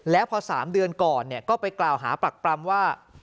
แล้วพอ๓เดือนก่อนก็ไปกล่าวหาปรักปรำว่า